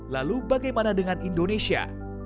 lalu bagaimana dengan indonesia